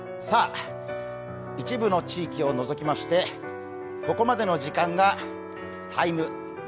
一部の地域を除きまして、ここまでの時間が「ＴＩＭＥ’」。